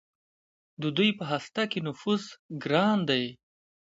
د دوی په هسته کې نفوذ ګران دی.